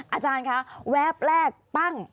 อาจารย์คะแวบแรกปั้ง